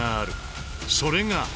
それが。